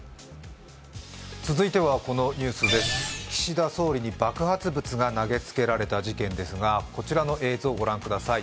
続いては、岸田総理に爆発物が投げつけられた事件ですが、こちらの映像をご覧ください。